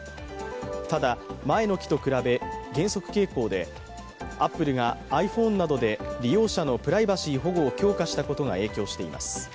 ただ、前の期と比べ減速傾向でアップルがｉＰｈｏｎｅなどで利用者のプライバシー保護を強化したことが影響しています。